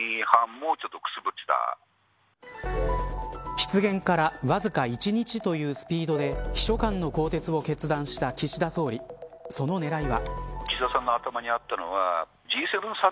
失言からわずか１日というスピードで秘書官の更迭を決断した岸田総理その狙いは。